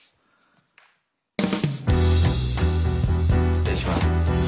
失礼します。